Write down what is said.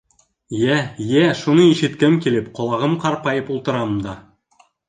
— Йә, йә, шуны ишеткем килеп, ҡолағым ҡарпайып ултырам да.